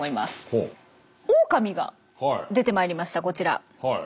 オオカミが出てまいりましたこちら。